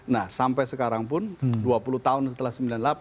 nah sampai sekarang pun dua puluh tahun setelah sembilan puluh delapan